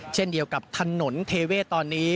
เช่นเดียวกับถนนเทเวศตอนนี้